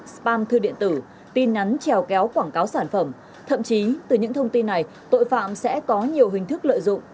spam thư điện tử tin nhắn trèo kéo quảng cáo sản phẩm thậm chí từ những thông tin này tội phạm sẽ có nhiều hình thức lợi dụng